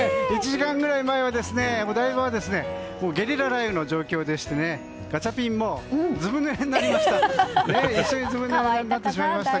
１時間ぐらい前はお台場はゲリラ雷雨の状態でガチャピンもずぶぬれになりました。